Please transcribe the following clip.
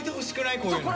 こういうの。